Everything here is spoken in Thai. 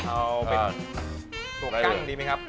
เอาเป็นตัวกั้นดีไหมครับ